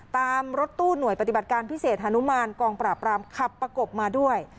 ตามรถตู้หน่วยปฏิบัติการพิเศษฮานุมานกองปราบรามขับประกบมาด้วย